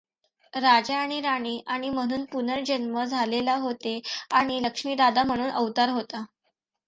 राजा आणि राणी आणि म्हणून पुनर्जन्म झालेला होते आणि लक्ष्मी राधा म्हणून अवतार होता.